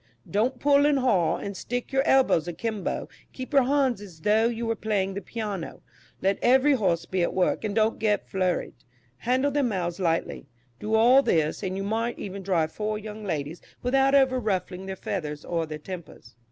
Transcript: Don't pull and haul, and stick your elbows a kimbo; keep your hands as though you were playing the piano; let every horse be at work, and don't get flurried; handle their mouths lightly; do all this, and you might even drive four young ladies without ever ruffling their feathers or their tempers."